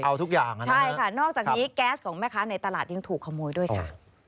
เอาทุกอย่างนะครับใช่ค่ะนอกจากนี้แก๊สของแม่ค้าในตลาดยังถูกขโมยด้วยค่ะ